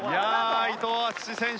伊藤淳史選手